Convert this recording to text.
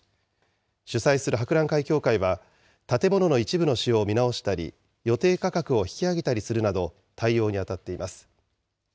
主催する博覧会協会は、建物の一部の仕様を見直したり、予定価格を引き上げたりするなど、対応に当たっています。